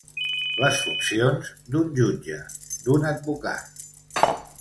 Les funcions d'un jutge, d'un advocat.